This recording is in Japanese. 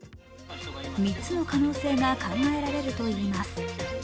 ３つの可能性が考えられるといいます。